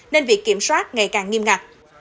nên việc kiểm soát ngày càng nghiêm ngặt